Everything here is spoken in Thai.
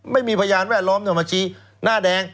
ไม่มีพยานแวดล้อมเนี่ยมาชี้หน้าแดง